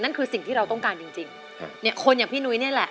คือสิ่งที่เราต้องการจริงจริงครับเนี่ยคนอย่างพี่นุ้ยนี่แหละ